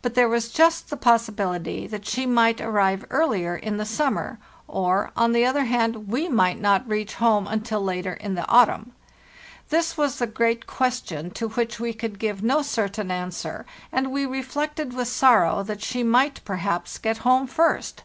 But there was just the possibility that she might arrive earler in the summer; or, on the other hand, we might not reach home until later in the autumn. This was the great question to which we could give no certain answer, and we reflected with sorrow that she might perhaps get home first.